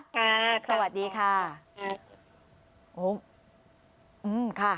ค่ะครับ